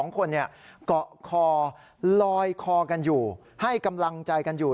๒คนเกาะคอลอยคอกันอยู่ให้กำลังใจกันอยู่